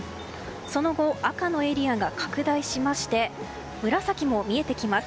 その後赤のエリアが拡大しまして紫も見えてきます。